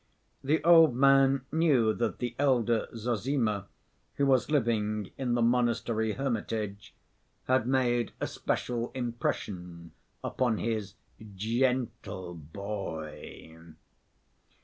The old man knew that the elder Zossima, who was living in the monastery hermitage, had made a special impression upon his "gentle boy."